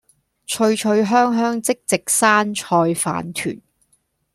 脆脆香香即席山菜飯糰